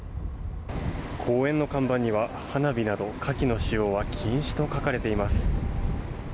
公園の看板には花火など火気の使用は禁止と書かれています。